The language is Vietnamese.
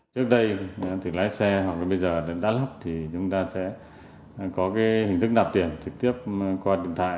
trước đây thì lái xe hoặc là bây giờ đã lắp thì chúng ta sẽ có cái hình thức nạp tiền trực tiếp qua điện thoại